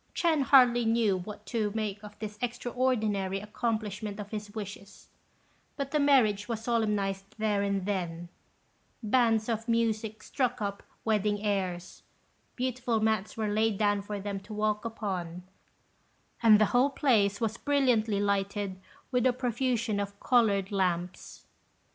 Ch'ên hardly knew what to make of this extraordinary accomplishment of his wishes, but the marriage was solemnized there and then; bands of music struck up wedding airs, beautiful mats were laid down for them to walk upon, and the whole place was brilliantly lighted with a profusion of coloured lamps.